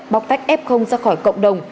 bóc tách f ra khỏi cộng đồng